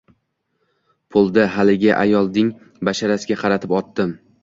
Puldi haligi ayolding basharasiga qaratib otdim